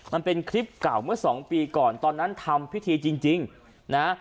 มันเป็นคลิปเก่าเมื่อสองปีก่อนตอนนั้นทำพิธีจริงนะ